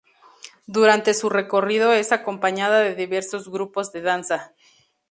Durante su recorrido es acompañada de diversos grupos de danza.